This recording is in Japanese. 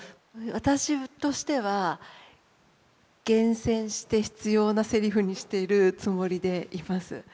私としては厳選して必要なセリフにしているつもりでいます。